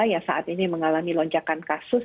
yang saat ini mengalami lonjakan kasus